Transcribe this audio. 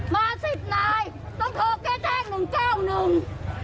มาสิทธิ์นายต้องโทรแก้แก้หนึ่งเจ้าหนึ่ง